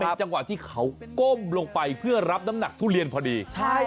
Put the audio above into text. จังหวะที่เขาก้มลงไปเพื่อรับน้ำหนักทุเรียนพอดีใช่